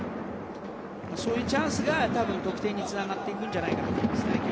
そういうチャンスが多分、得点につながっていくんじゃないかと思いますね